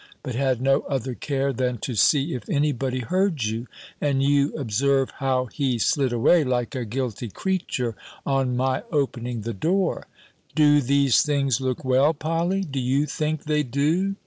_' but had no other care than to see if any body heard you; and you observe how he slid away, like a guilty creature, on my opening the door Do these things look well, Polly? Do you think they do?